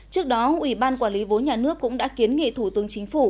trước đó ủy ban quản lý vốn nhà nước cũng đã kiến nghị thủ tướng chính phủ